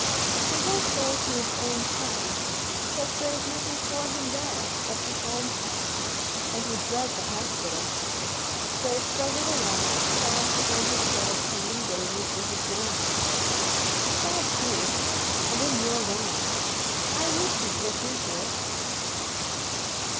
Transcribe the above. He won't go to his own town, because there is nothing for him there but the almshouse, and he dreads a hospital; so struggles along, trying to earn his bread tending babies with his one arm. A sad case, and in your line; I wish you'd look into it."